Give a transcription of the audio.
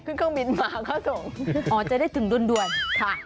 เครื่องบินมาเข้าส่งอ๋อจะได้ถึงดุลค่ะ